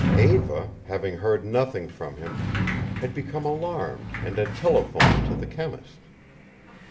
Eva, having heard nothing from him, had become alarmed and had telephoned to the chemist.